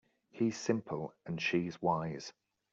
He's simple and she's wise.